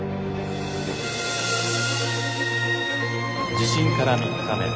「地震から３日目。